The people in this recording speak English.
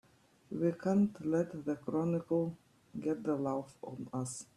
We can't let the Chronicle get the laugh on us!